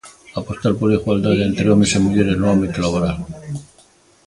Apostar pola igualdade entre homes e mulleres no ámbito laboral.